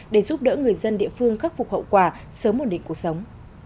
để giúp đỡ người dân địa phương khắc phục hậu quả sớm một đỉnh cuộc sống